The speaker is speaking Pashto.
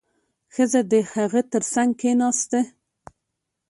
ښځه د هغه تر څنګ کېناسته.